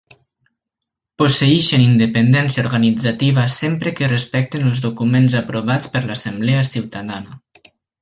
Posseeixen independència organitzativa sempre que respectin els documents aprovats per l'Assemblea Ciutadana.